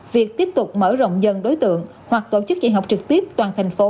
việc tiếp tục mở rộng dần đối tượng hoặc tổ chức dạy học trực tiếp toàn tp hcm